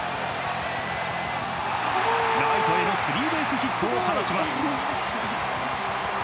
ライトへのスリーベースヒットを放ちます。